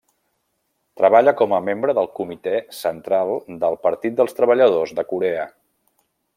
Treballa com a membre del Comitè Central del Partit dels Treballadors de Corea.